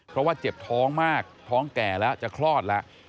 เพราะว่าเจ็บท้องมากท้องแก่แล้วจะคลอดแล้ว